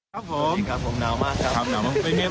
ครับผมนาวมากครับ